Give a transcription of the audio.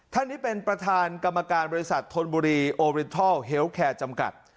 ท่านนี้เป็นประธานกรรมการบริษัทธนบุรีโอริทัลเฮลแคร์จำกัด